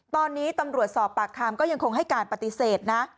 ตอนนี้ตำรวจสอบปากคำก็ยังคงให้การปฏิเสธนะ